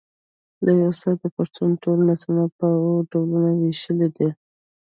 لوى استاد د پښتو ټول نثرونه پر اوو ډولونو وېشلي دي.